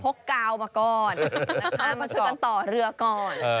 กาวมาก่อนนะคะมาช่วยกันต่อเรือก่อน